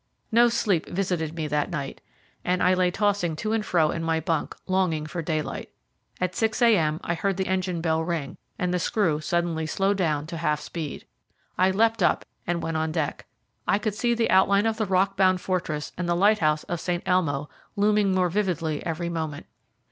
No sleep visited me that night, and I lay tossing to and fro in my bunk longing for daylight. At 6 a.m. I heard the engine bell ring, and the screw suddenly slow down to half speed. I leapt up and went on deck. I could see the outline of the rock bound fortress and the lighthouse of St. Elmo looming more vividly every moment.